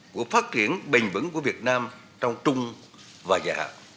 của phát triển bền vững của việt nam trong trung và dạ